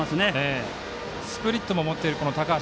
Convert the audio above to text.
スプリットも持っている高橋。